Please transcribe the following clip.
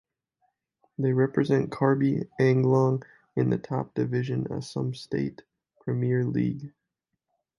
They represent Karbi Anglong in the top division Assam State Premier League.